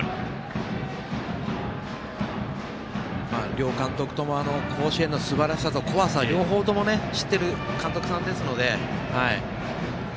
両監督とも甲子園のすばらしさと怖さ、両方とも知っている監督さんですので。